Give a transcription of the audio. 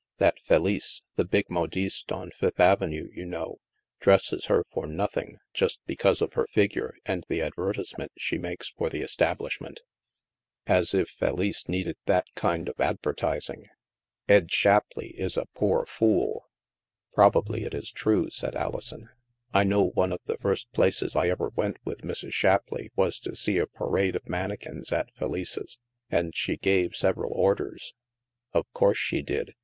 That Felice — the big modiste on Fifth Avenue, you know — dresses her for noth ing, just because of her figure and the advertisement she makes for the establishment! As if Felice i8o THE MASK needed that kind of advertising! Ed Shapleigh is a poor fool!" " Probably it is true," said Alison. " I know one of the first places I ever went with Mrs. Shapleigh was to see a parade of mannequins at Felice's. And she gave several orders." " Of course she did.